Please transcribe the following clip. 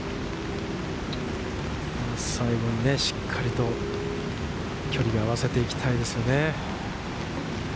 最後にしっかりと距離を合わせていきたいですね。